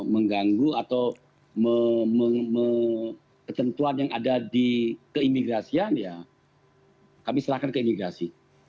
mengganggu atau ketentuan yang ada di keimigrasian ya kami serahkan ke imigrasi